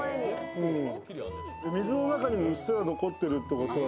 水の中にもうっすら残ってるってことは。